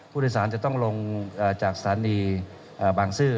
ผู้โดยสารจะต้องลงจากสถานีบางซื่อ